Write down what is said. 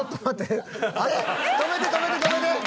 止めて止めて止めて！